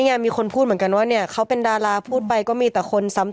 ข้ามอีกขั้นหนึ่งก็คือตายแล้วไหมน่ะ